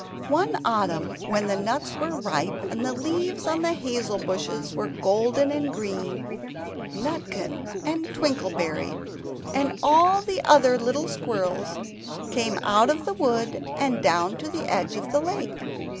One autumn when the nuts were ripe, and the leaves on the hazel bushes were golden and green Nutkin and Twinkleberry and all the other little squirrels came out of the wood, and down to the edge of the lake.